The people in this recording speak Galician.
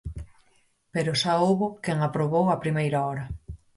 Pero xa houbo quen a probou á primeira hora.